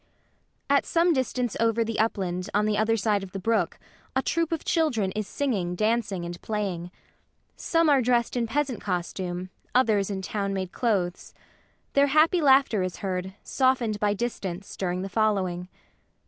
[At some distance over the upland, on the other side of the brook, a troop of children is singing, dancing, and playing. Some are dressed in peasant costume, others in town made clothes. Their happy laughter is heard, softened by distance, during the following.